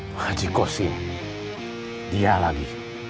haji kosi dia lagi